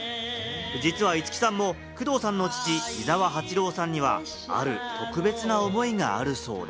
実は五木さんも工藤さんの父・井沢八郎さんには、ある特別な思いがあるそうで。